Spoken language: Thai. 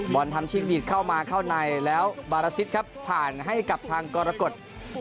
บอลทำชิงบีดเข้ามาเข้าในแล้วบาราซิสครับผ่านให้กับทางกรกฎ